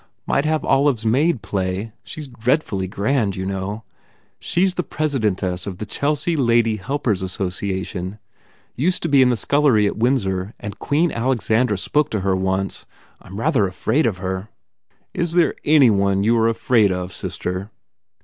Might have Olive s maid play. She s dreadfully grand, you know? She s the Presidentess of the Chelsea Lady Helpers Associaton. Used to be. in the scullery at Windsor and Queen Alexandra spoke to her once. I m rather afraid of her." "Is there any one you are afraid of, sister?"